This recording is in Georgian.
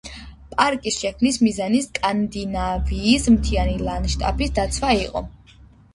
პარკის შექმნის მიზანი სკანდინავიის მთიანი ლანდშაფტის დაცვა იყო.